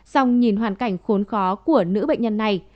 xong nhìn hoàn cảnh khốn khó của nữ bệnh nhân này